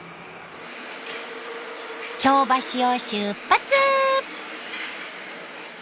京橋を出発！